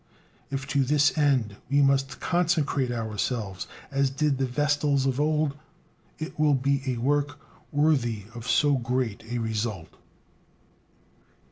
If to this end we must consecrate ourselves as did the vestals of old, it will be a work worthy of so great a result.